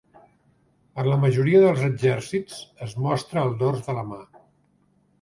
En la majoria dels exèrcits, es mostra el dors de la mà.